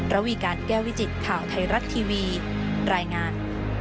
ระวีการแก้ววิจิตข่าวไทยรัฐทีวีรายงาน